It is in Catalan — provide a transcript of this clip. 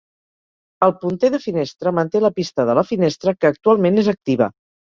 El punter de finestra manté la pista de la finestra que actualment és activa.